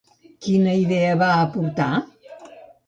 Quina idea va aportar?